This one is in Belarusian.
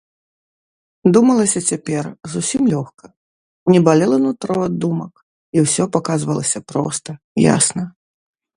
Думалася цяпер зусім лёгка, не балела нутро ад думак, і ўсё паказвалася проста, ясна.